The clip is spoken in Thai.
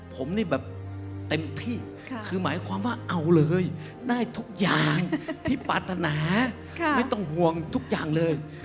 ผมนี่แบบเต็มที่คือหมายความว่าเอาเลยได้ทุกอย่างที่ปรารถนาไม่ต้องห่วงทุกอย่างเลย